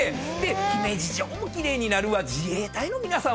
姫路城も奇麗になるわ自衛隊の皆さん